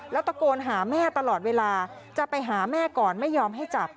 แล้วตะโกนหาแม่ตลอดเวลาจะไปหาแม่ก่อนไม่ยอมให้จับ